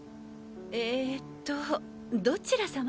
えとどちら様？